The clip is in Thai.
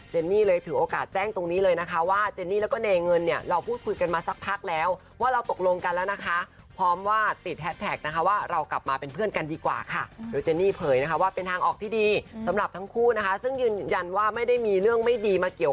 เจนี่เลยถือโอกาสแจ้งตรงนี้เลยนะคะว่าเจนี่แล้วก็เนเงินเนี่ย